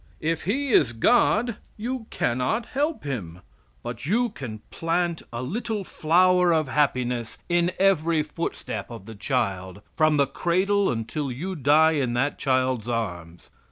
If He is God you cannot help Him, but you can plant a little flower of happiness in every footstep of the child, from the cradle until you die in that child's arms.